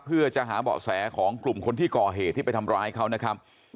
เพื่อจะหาเบาะแสของกลุ่มคนที่ก่อเหตุที่ไปทำร้ายเขานะครับ